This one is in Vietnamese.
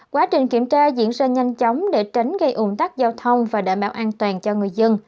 quá trình kiểm tra diễn ra nhanh chóng để tránh gây ủng tắc giao thông và đảm bảo an toàn cho người dân